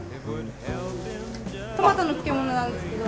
トマトの漬け物なんですけど。